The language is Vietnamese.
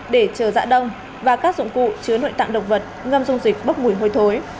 để chờ dã đông và các dụng cụ chứa nội tạng động vật ngâm dung dịch bốc mùi hôi thối